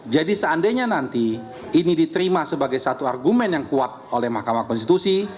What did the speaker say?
seandainya nanti ini diterima sebagai satu argumen yang kuat oleh mahkamah konstitusi